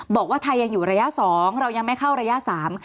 บอกว่าไทยยังอยู่ระยะสองเรายังไม่เข้าระยะสาม